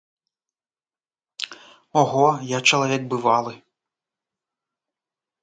Ого, я чалавек бывалы.